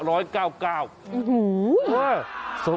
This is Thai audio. โอ้โห